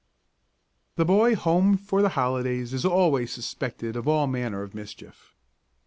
The boy home for the holidays is always suspected of all manner of mischief.